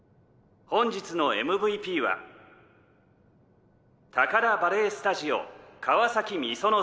本日のＭＶＰはＴａｋａｒａバレエスタジオ川崎美園さん。